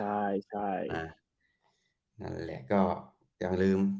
นั่นแหละก็อย่างลืม